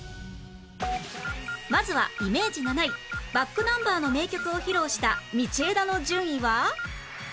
まずはイメージ７位 ｂａｃｋｎｕｍｂｅｒ の名曲を披露した道枝の順位は？